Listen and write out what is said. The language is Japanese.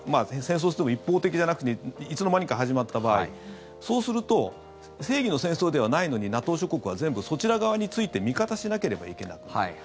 戦争といっても一方的じゃなくていつの間にか始まった場合そうすると正義の戦争ではないのにＮＡＴＯ諸国は全部そちら側について味方しなければいけなくなる。